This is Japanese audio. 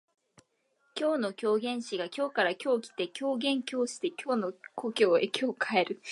今日の狂言師が京から今日来て狂言今日して京の故郷へ今日帰る